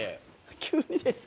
急にですか？